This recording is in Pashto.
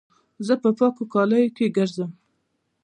زه په پاکو کالو کښي ګرځم.